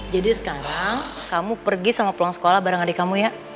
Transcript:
jadi sekarang kamu pergi sama pulang sekolah bareng adik kamu ya